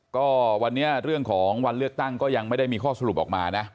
ก็วันนี้เรื่องของวันเลือกตั้งก็ยังไม่ได้มีข้อสรุปออกมานะ